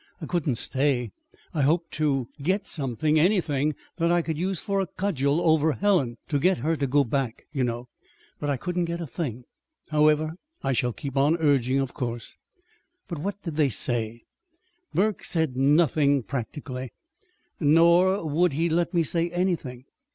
I couldn't stay. I hoped to get something anything that I could use for a cudgel over Helen, to get her to go back, you know. But I couldn't get a thing. However, I shall keep on urging, of course." "But what did they say?" "Burke said nothing, practically. Nor would he let me say anything.